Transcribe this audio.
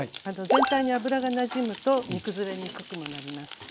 全体に油がなじむと煮崩れにくくもなります。